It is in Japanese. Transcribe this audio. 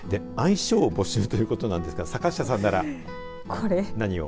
愛称募集ということなんですが坂下さんなら何を。